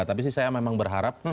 tapi sih saya memang berharap